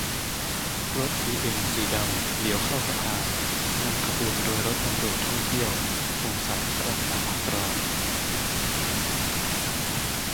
รถบีเอ็มสีดำเลี้ยวเข้าสภา นำขบวนโดยรถตำรวจท่องเที่ยว สงสัยฝรั่งมาพักร้อน